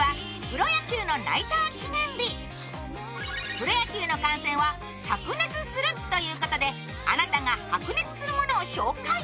プロ野球の観戦は白熱するということであなたが白熱するものを紹介。